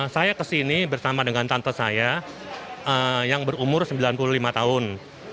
saya kesini bersama dengan tante saya yang berumur sembilan puluh lima tahun